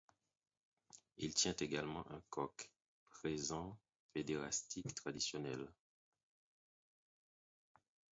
Il tient également un coq, présent pédérastique traditionnel.